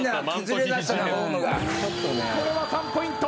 これは３ポイント。